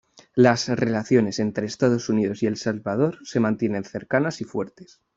Las relaciones entre Estados Unidos y El Salvador se mantienen cercanas y fuertes.